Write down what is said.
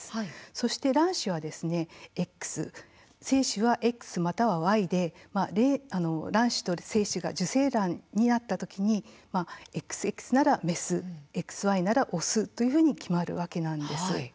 そして卵子はＸ精子はＸまたはＹで卵子と精子が受精卵になった時ＸＸならメスＸＹならオスというふうに決まるわけなんです。